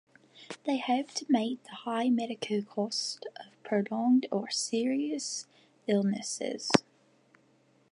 They help to meet the high medical costs of prolonged or serious illnesses.